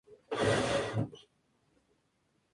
El resultado del primer día de combate fue bastante indeciso.